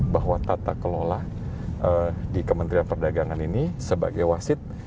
bahwa tata kelola di kementerian perdagangan ini sebagai wasit